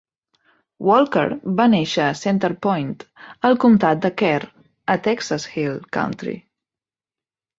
Walker va néixer a Center Point, al comtat de Kerr, a Texas Hill Country.